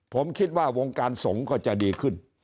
ผมคิดว่าวงการสงฆ์ก็จะดีขึ้น